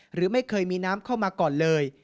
หรือไม่เคยมีน้ำเข้ามาก่อนเลย